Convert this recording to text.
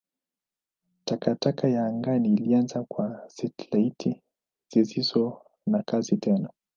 Takataka ya angani ilianza kwa satelaiti zisizo na kazi tena.